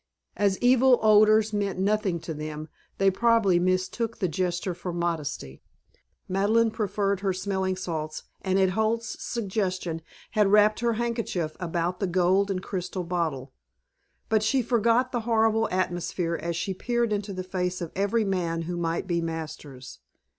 As evil odors meant nothing to them, they probably mistook the gesture for modesty. Madeleine preferred her smelling salts, and at Holt's suggestion had wrapped her handkerchief about the gold and crystal bottle. But she forgot the horrible atmosphere as she peered into the face of every man who might be Masters.